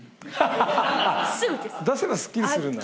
出せばすっきりするんだね。